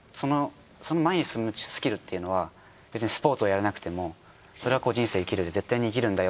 その前に進むスキルっていうのは別にスポーツをやらなくてもそれは人生生きるうえで絶対に活きるんだよ。